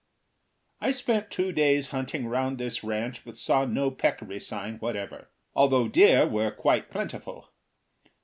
I spent two days hunting round this ranch but saw no peccary sign whatever, although deer were quite plentiful.